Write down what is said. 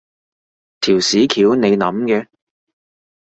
條屎橋你諗嘅？